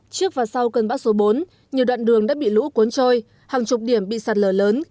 trước và sau cơn bão số bốn nhiều đoạn đường đã bị lũ cuốn trôi hàng chục điểm bị sạt lở lớn